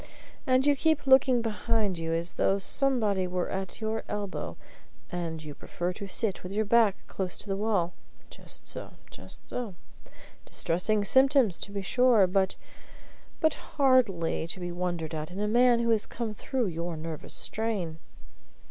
And you keep looking behind you, as though somebody were at your elbow; and you prefer to sit with your back close to the wall. Just so just so. Distressing symptoms, to be sure, but but hardly to be wondered at in a man who has come through your nervous strain."